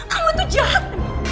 kamu tuh jahat